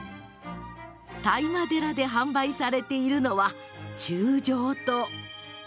當麻寺で販売されているのは中将湯。